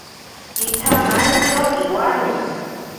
Itsamaitziro iwane.